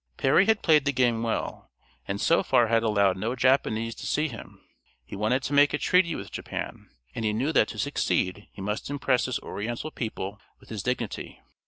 Perry had played the game well, and so far had allowed no Japanese to see him. He wanted to make a treaty with Japan, and he knew that to succeed he must impress this Oriental people with his dignity.